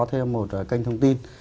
thêm một kênh thông tin